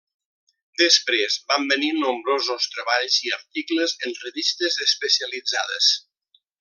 Després, van venir nombrosos treballs i articles en revistes especialitzades.